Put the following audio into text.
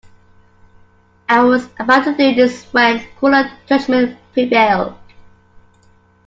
I was about to do this when cooler judgment prevailed.